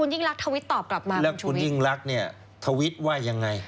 ยิ่งรักทวิตตอบกลับมาแล้วคุณยิ่งรักเนี่ยทวิตว่ายังไง